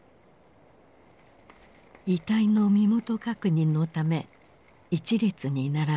遺体の身元確認のため一列に並べられた。